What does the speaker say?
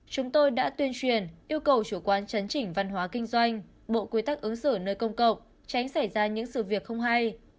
chúng tôi đã tuyên truyền yêu cầu chủ quan chấn chỉnh văn hóa kinh doanh bộ quy tắc ứng xử nơi công cộng tránh xảy ra những sự việc không hay